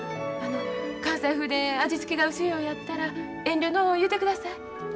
あの関西風で味付けが薄いようやったら遠慮のう言うてください。